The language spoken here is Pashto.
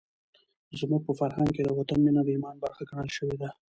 زموږ په فرهنګ کې د وطن مینه د ایمان برخه ګڼل شوې ده.